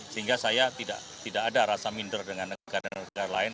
sehingga saya tidak ada rasa minder dengan negara negara lain